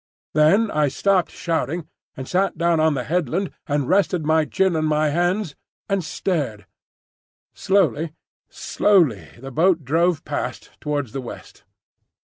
Then I stopped shouting, and sat down on the headland and rested my chin on my hands and stared. Slowly, slowly, the boat drove past towards the west.